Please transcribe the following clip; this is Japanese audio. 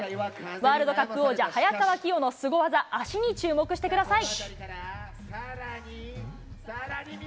ワールドカップ王者、早川起生のすご技、足に注目してください。